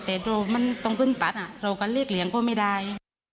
แต่มันต้องพึ่งตัดเราก็เรียกเหลียงก็ไม่ได้